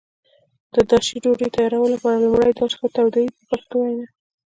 د داشي ډوډۍ تیارولو لپاره لومړی داش ښه تودوي په پښتو وینا.